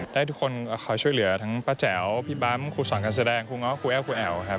ได้ทุกคนขอช่วยเหลือทั้งป๊าแจ๋วพี่บ้ามคุณสรรคันแสดงคุณง้อคุณแอ๋วคุณแอ๋วครับ